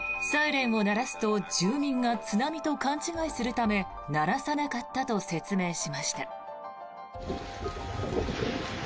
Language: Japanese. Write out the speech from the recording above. サイレンを鳴らすと住民が津波と勘違いするため鳴らさなかったと説明しました。